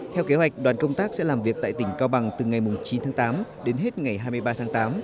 theo kế hoạch đoàn công tác sẽ làm việc tại tỉnh cao bằng từ ngày chín tháng tám đến hết ngày hai mươi ba tháng tám